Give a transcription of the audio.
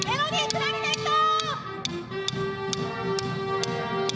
クラリネット！